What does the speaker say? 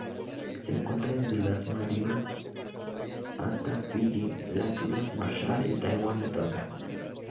Se encuentra desde las Maldivas hasta Fiyi, las Islas Marshall, Taiwán y Tonga.